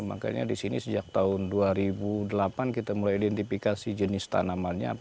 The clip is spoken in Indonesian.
makanya di sini sejak tahun dua ribu delapan kita mulai identifikasi jenis tanamannya